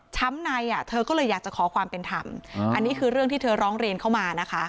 ในอ่ะเธอก็เลยอยากจะขอความเป็นธรรมอันนี้คือเรื่องที่เธอร้องเรียนเข้ามานะคะ